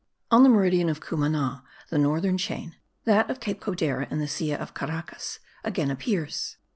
On the meridian of Cumana the northern chain (that of Cape Codera and the Silla of Caracas) again appears.